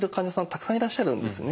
たくさんいらっしゃるんですね。